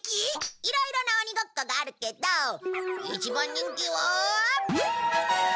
いろいろな鬼ごっこがあるけど一番人気は。